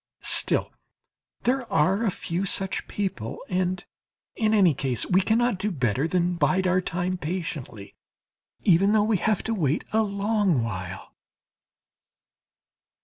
Still there are a few such people, and in any case we cannot do better than bide our time patiently, even though we have to wait a long while.